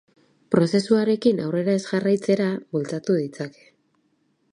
Prozesuarekin aurrera ez jarraitzera bultzatu ditzake.